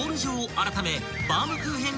あらためバウムクーヘン